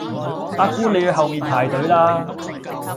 阿姑你去後面排隊啦